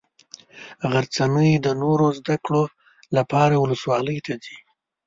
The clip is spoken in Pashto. غرڅنۍ د نورو زده کړو لپاره ولسوالي ته ځي.